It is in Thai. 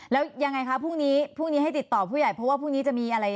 แล้วยังไงคะพรุ่งนี้ให้ติดต่อผู้ใหญ่เพราะว่าพรุ่งนี้จะมีอะไรจะสอบกันต่อ